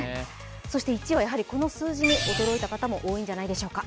そして１位はやはりこの数字に驚いた方も多いんじゃないでしょうか。